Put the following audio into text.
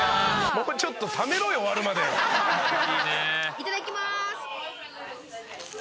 いただきます！